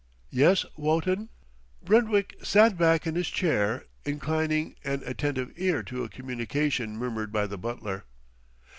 Yes, Wotton?" Brentwick sat back in his chair, inclining an attentive ear to a communication murmured by the butler.